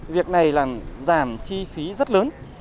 việc này là giảm chi phí rất lớn